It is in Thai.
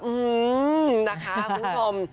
คุณคุณออม